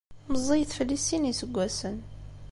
Meẓẓiyet fell-i s sin n yiseggasen.